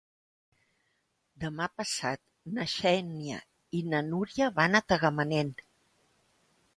Demà passat na Xènia i na Núria van a Tagamanent.